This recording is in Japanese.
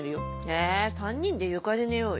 え３人で床で寝ようよ。